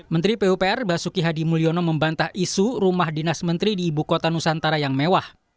menteri pupr basuki hadi mulyono membantah isu rumah dinas menteri di ibu kota nusantara yang mewah